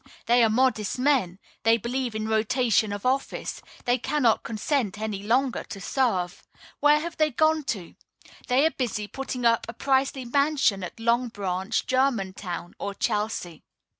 They are modest men. They believe in rotation of office. They cannot consent any longer to serve. Where have they gone to? They are busy putting up a princely mansion at Long Branch, Germantown, or Chelsea.